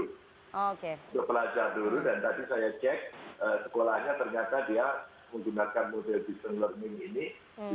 untuk pelajar dulu dan tadi saya cek sekolahnya ternyata dia menggunakan model deep learning ini juga bisa dilakukan